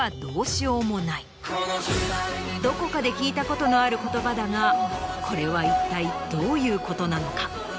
どこかで聞いたことのある言葉だがこれは一体どういうことなのか？